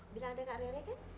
bilang pada kak re re kan